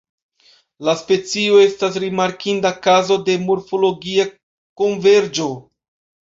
La specio estas rimarkinda kazo de morfologia konverĝo.